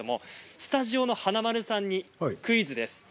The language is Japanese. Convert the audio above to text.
スタジオの華丸さんにクイズです。